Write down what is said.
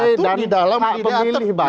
nanti diatur di dalam undang undang